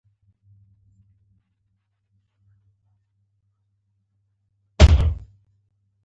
مچمچۍ بې سده نه ګرځي